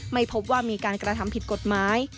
ไม่พบว่ามีการกระทำผิดกฎหมาย